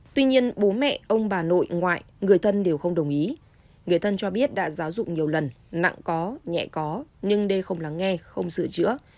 tuy nhiên bố mẹ ông bà nội ngoại người thân đều không đồng ý người thân cho biết đã giáo dục nhiều lần nặng có nhẹ có nhưng đê không lắng nghe không sửa chữa